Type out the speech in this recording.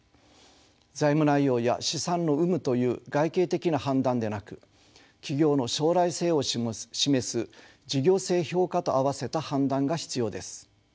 財務内容や資産の有無という外形的な判断でなく企業の将来性を示す事業性評価とあわせた判断が必要です。